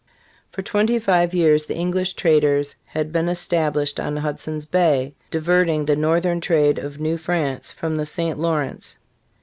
For twenty five years the English traders had been established on Hud son's Bay, diverting the northern trade of New France from the St. Law rence.